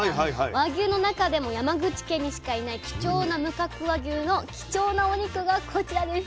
和牛の中でも山口県にしかいない貴重な無角和牛の貴重なお肉がこちらです。